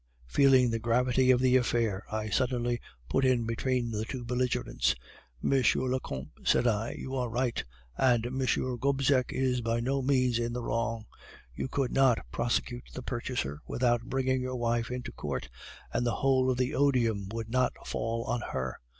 Feeling the gravity of the affair, I suddenly put in between the two belligerents. "'M. le Comte,' said I, 'you are right, and M. Gobseck is by no means in the wrong. You could not prosecute the purchaser without bringing your wife into court, and the whole of the odium would not fall on her.